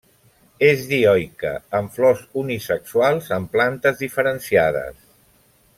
És dioica, amb flors unisexuals en plantes diferenciades.